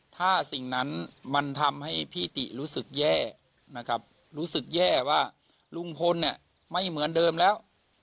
ถ้าสิ่งนั้นมันทำให้พี่ติรู้สึกแย่นะครับรู้สึกแย่ว่าลุงพลเนี่ยไม่เหมือนเดิมแล้ว